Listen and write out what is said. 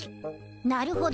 なるほど。